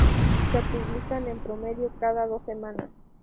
Se publican, en promedio, cada dos semanas.